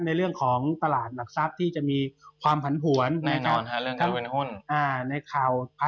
ในเรื่องของตลาดหลักทรัพย์ที่จะมีความผันผวนแน่นอน